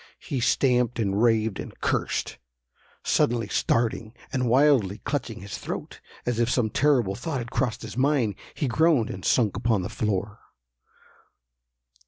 He stamped, and raved and cursed. Suddenly starting, and wildly clutching his throat, as if some terrible thought had crossed his mind, he groaned and sunk upon the floor.